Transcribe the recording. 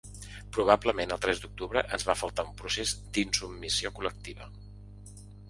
Probablement el tres d’octubre ens va faltar un procés d’insubmissió col·lectiva.